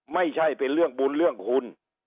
ไม่ใช่เป็นเรื่องบุญเรื่องคุณ